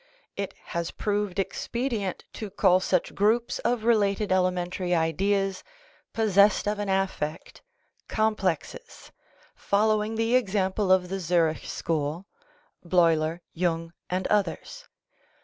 It has proved expedient to call such groups of related elementary ideas possessed of an affect, complexes, following the example of the Zurich school (Bleuler, Jung and others).